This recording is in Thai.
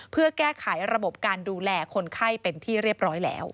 เพื่อแก้ไขระบบการดูแลคนไข้เป็นที่เรียบร้อยแล้ว